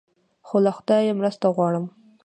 خو له خدایه مرسته غواړم.